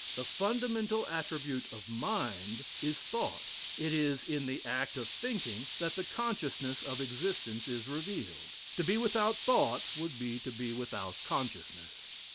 The fundamental attribute of mind is thought; it is in the act of thinking that the consciousness of existence is revealed; to be without thought would be to be without consciousness.